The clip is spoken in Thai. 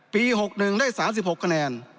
๖๑ได้๓๖คะแนน